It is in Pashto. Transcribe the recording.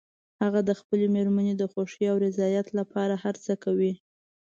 هغه د خپلې مېرمنې د خوښې او رضایت لپاره هر څه کوي